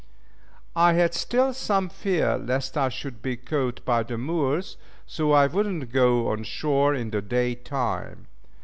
I had still some fear lest I should be caught by the Moors, so I would not go on shore in the day time.